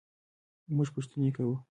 مونږ پوښتنې کوو